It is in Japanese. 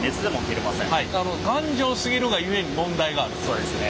そうですね。